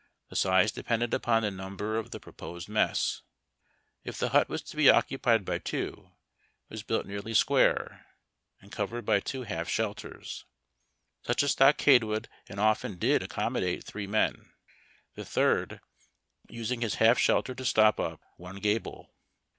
The size depended upon the number of the proposed mess. If the hut was to be occupied by two, it was built nearly square, and covered by two half shelters. Such a stockade would and often did accommodate three men, the third using his half shelter to stop up one gable.